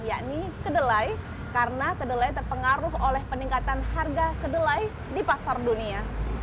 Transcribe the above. yakni kedelai karena kedelai terpengaruh oleh peningkatan harga kedelai di pasar dunia